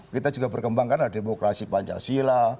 kita juga berkembang karena demokrasi pancasila